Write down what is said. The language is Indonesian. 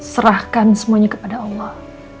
serahkan semuanya kepada allah